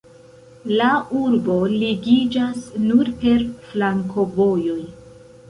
La urbo ligiĝas nur per flankovojoj.